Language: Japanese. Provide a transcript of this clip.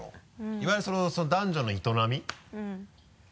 いわゆるその男女の営み？